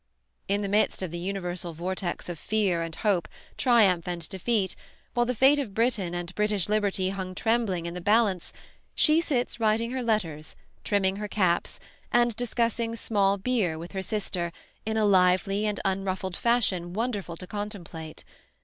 In the midst of the universal vortex of fear and hope, triumph and defeat, while the fate of Britain and British liberty hung trembling in the balance, she sits writing her letters, trimming her caps, and discussing small beer with her sister in a lively and unruffled fashion wonderful to contemplate.